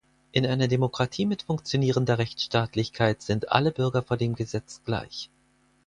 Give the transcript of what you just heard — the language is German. In einer Demokratie mit funktionierender Rechtsstaatlichkeit sind alle Bürger vor dem Gesetz gleich.